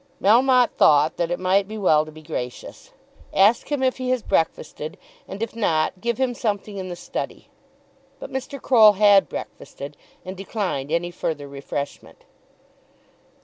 Melmotte thought that it might be well to be gracious. "Ask him if he has breakfasted, and if not give him something in the study." But Mr. Croll had breakfasted and declined any further refreshment.